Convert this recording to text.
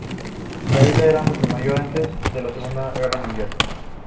La isla era mucho mayor antes de la Segunda Guerra Mundial.